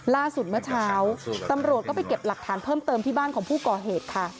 เมื่อเช้าตำรวจก็ไปเก็บหลักฐานเพิ่มเติมที่บ้านของผู้ก่อเหตุค่ะ